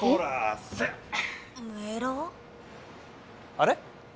あれ？